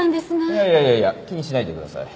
いやいやいやいや気にしないでください。